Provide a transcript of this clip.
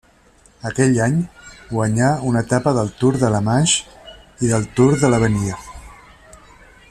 Aquell any guanyà una etapa del Tour de la Manche i del Tour de l'Avenir.